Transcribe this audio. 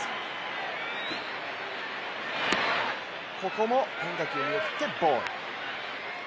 ここも変化球を見送ってボール。